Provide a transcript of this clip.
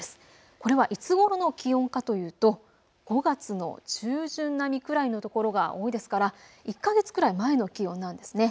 これはいつごろの気温かというと５月の中旬並みくらいの所が多いですから１か月くらい前の気温なんですね。